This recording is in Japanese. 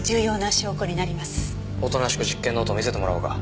おとなしく実験ノートを見せてもらおうか。